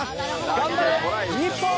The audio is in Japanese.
頑張れ日本！